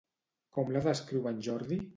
Com la descriu en Jordi?